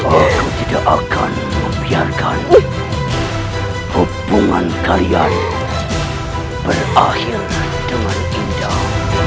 aku tidak akan membiarkan hubungan kalian berakhir dengan indah